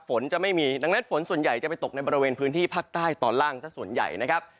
ฝนจะไม่มีดังนั้นฝนส่วนใหญ่จะไปตกในบริเวณพื้นที่ภาคใต้ตอนล่างสักส่วนใหญ่นะครับ